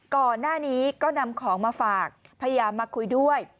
ก่อนหน้านี้ก็นำของมาฝากพยายามมาคุยด้วย